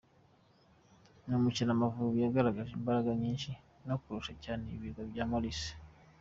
Ni umukino Amavubi yagaragaje imbaraga nyinshi no kurusha cyane Ibirwa bya Maurice.